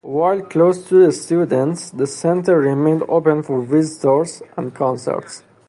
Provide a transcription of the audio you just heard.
While closed to students, the center remained open for visitors and concerts.